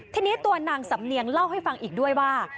ทีนี้ตัวนางสำเนียงเล่าให้ฟังอีกด้วยว่า